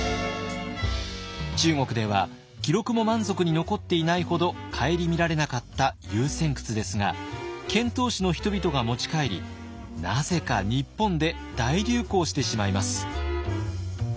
中国では記録も満足に残っていないほど顧みられなかった「遊仙窟」ですが遣唐使の人々が持ち帰りなぜか日本で大流行してしまいます。